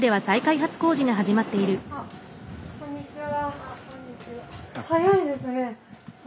こんにちは。